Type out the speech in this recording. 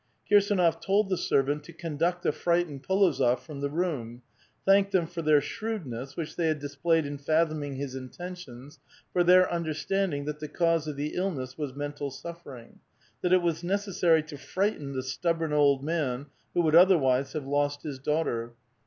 Kirsdnof told the servant to conduct the frightened P61ozof from the room ; thanked them for their shrewdness, which they had displayed in fathoming his intentions, for their understanding that the cause of the illness was mental suffering ; that it was neces sai y to frighten the stubborn old man, who would otherwise have lost his daughter.